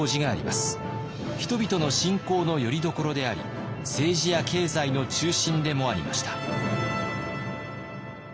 人々の信仰のよりどころであり政治や経済の中心でもありました。